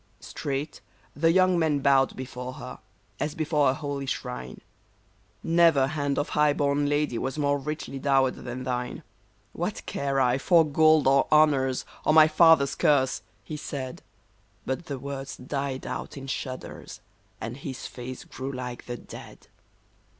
" Straight the young man bowed before her, as before a holy shrine :" Never hand of high born lady was more richly dowered than thine ! RENA 153 '* What care I for gold or honors, or — my — father's — curse? " he said ; But the words died out in shudders, and his face grew like the dead.